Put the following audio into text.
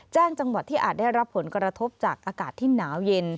จังหวัดที่อาจได้รับผลกระทบจากอากาศที่หนาวเย็น